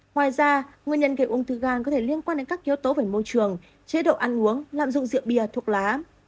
ngoài ra nguyên nhân gây ung thư gan có thể liên quan đến các yếu tố về môi trường chế độ ăn uống lạm dụng rượu bia thuốc lá